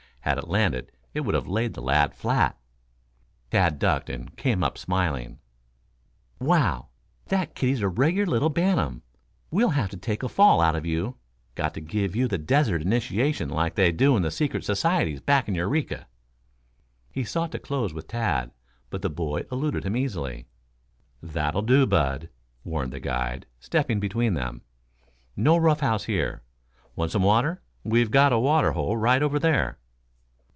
Had it landed it would have laid the lad flat. Tad ducked and came up smiling. "Wow! The kiddie's a regular little bantam. We'll have to take a fall out of you. Got to give you the desert initiation like they do in the secret societies back in Eureka." He sought to close with Tad, but the boy eluded him easily. "That'll do, Bud," warned the guide, stepping between them. "No rough house here. Want some water? We've got a water hole right over there."